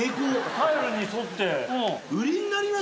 タイルに沿って。